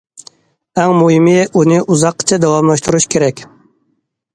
ئەڭ مۇھىمى، ئۇنى ئۇزاققىچە داۋاملاشتۇرۇش كېرەك.